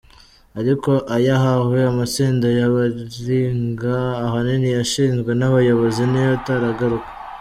Ariko ayahawe amatsinda ya baringa ahanini yashinzwe n’abayobozi niyo ataragaruka.